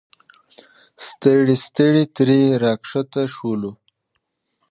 ستړي ستړي ترې راښکته شولو.